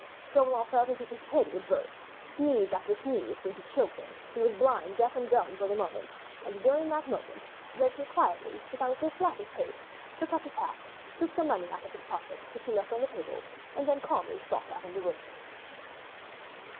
Chauvelin felt as if his head would burst—sneeze after sneeze seemed nearly to choke him; he was blind, deaf, and dumb for the moment, and during that moment Blakeney quietly, without the slightest haste, took up his hat, took some money out of his pocket, which he left on the table, then calmly stalked out of the room!